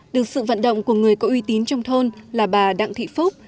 được sự vận động của người có uy tín trong thôn là bà đặng thị phúc